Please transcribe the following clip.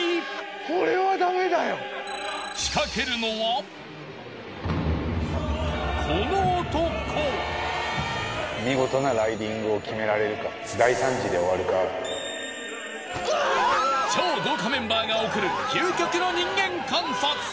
これはダメだよ仕掛けるのはこの男見事なライディングをきめられるか大惨事で終わるか超豪華メンバーがおくる究極の人間観察